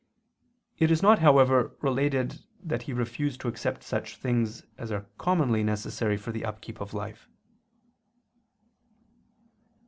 It is not, however, related that he refused to accept such things as are commonly necessary for the upkeep of life.